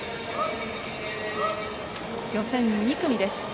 予選２組です。